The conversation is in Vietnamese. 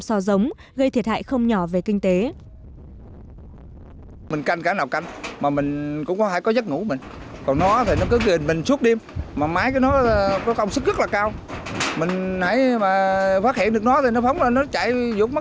các đối tượng trộm xó giống gây thiệt hại không nhỏ về kinh tế